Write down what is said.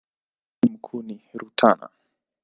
Mji mkuu ni Rutana.